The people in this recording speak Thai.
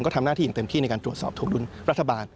ทำหน้าที่อย่างเต็มที่ในการตรวจสอบถวงดุลรัฐบาล